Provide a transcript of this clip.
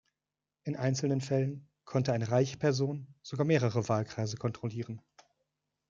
In einzelnen Fällen konnte eine reiche Person sogar mehrere Wahlkreise kontrollieren.